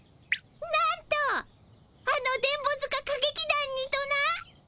なんとあの電ボ塚歌劇団にとな！